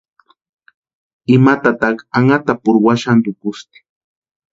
Ima tataka anhatapurhu waxantukusti.